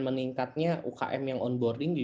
meningkatnya umkm yang on boarding di